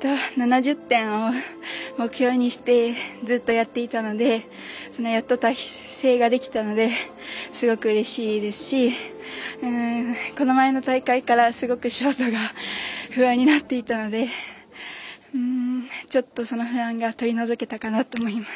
７０点を目標にしてずっとやっていたのでやってきたことができたのですごくうれしいですしこの前の大会からすごくショートが不安になっていたのでちょっとその不安が取り除けたかなと思います。